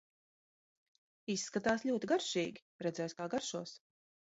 Izskatās ļoti garšīgi, redzēs kā garšos!